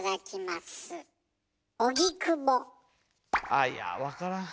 あいや分からん。